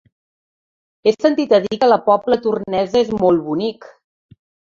He sentit a dir que la Pobla Tornesa és molt bonic.